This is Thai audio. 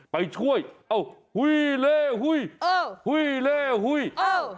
ไปช่วยเอ้าหุ้ยเล่หุ้ยเออหุ้ยเล่หุ้ยอ้าว